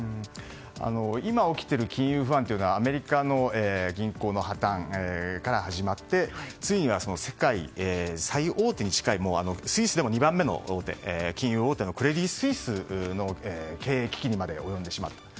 今、起きている金融不安というのはアメリカの銀行の破たんから始まっていてついには、世界最大手に近いスイスでも２番目の金融大手のクレディ・スイスの経営危機にまで及んでしまったと。